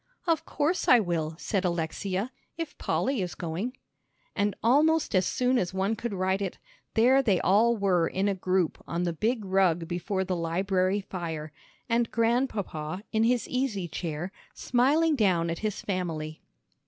"Of course, I will," said Alexia, "if Polly is going." And almost as soon as one could write it, there they all were in a group on the big rug before the library fire, and Grandpapa in his easy chair, smiling down at his family.